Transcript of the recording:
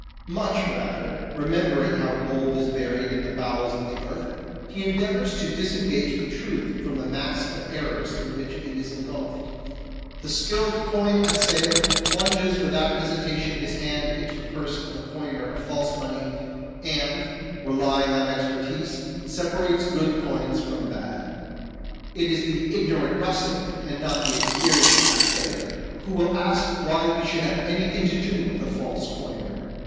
Much rather, remember ing how gold is buried in the bowels of the earth, he endeavours to disengage the truth from the mass of errors in which it is engulfed. The skilled coin assayer plunges without hesitation his hand into the purse of the coiner of false money, and, relying on experience, separates good coins PHILOSOPHY DANGEROUS 37 from bad. It is the ignorant rustic, and not the experienced assayer, who will ask why we should have anything to do with a false coiner.